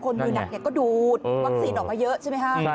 มือหนักก็ดูดวัคซีนออกมาเยอะใช่ไหมคะ